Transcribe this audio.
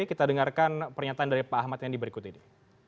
kita dengarkan pernyataan dari pak ahmad yang diberikut ini